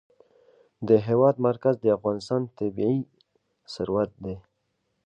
د هېواد مرکز د افغانستان طبعي ثروت دی.